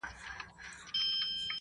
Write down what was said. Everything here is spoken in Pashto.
ولایتونو کې خلک ترې لرې ګرځي